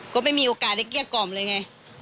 ก็ไม่มีโอกาสได้เกลี้ยกล่อมเลยไง